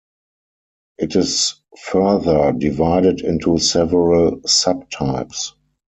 It is further divided into several subtypes.